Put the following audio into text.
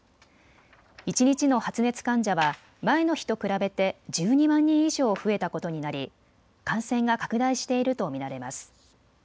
一日の発熱患者は前の日と比べて１２万人以上増えたことになり感染が拡大していると見られます。